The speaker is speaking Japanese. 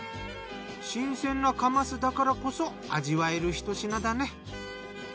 新鮮なカマスだからこそ味わえる一品だね。